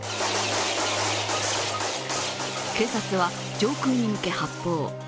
警察は、上空に向け発砲。